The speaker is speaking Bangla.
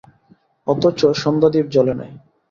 অথচ সন্ধ্যাদীপ জ্বলে নাই।